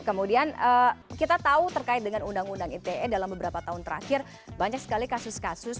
kemudian kita tahu terkait dengan undang undang ite dalam beberapa tahun terakhir banyak sekali kasus kasus